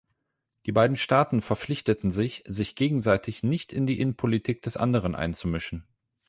Die beiden Staaten verpflichteten sich, sich gegenseitig nicht in die Innenpolitik des anderen einzumischen.